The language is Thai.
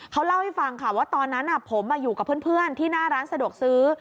เขาเล่าให้ฟังค่ะว่าตอนนั้นผมอยู่กับเพื่อนที่หน้าร้านสะดวกซื้อ